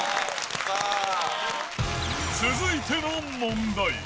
続いての問題。